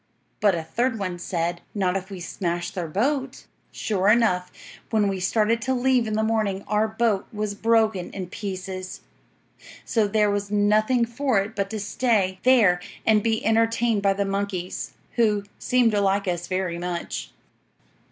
But a third one said, "Not if we smash their boat." Sure enough, when we started to leave in the morning, our boat was broken in pieces. So there was nothing for it but to stay there and be entertained by the monkeys, who seemed to like us very much.